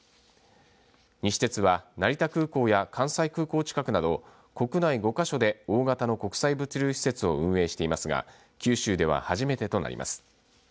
西鉄は、成田空港や関西空港近くなど国内５か所で大型の国際物流施設を運営していますが九州では初めてとなります。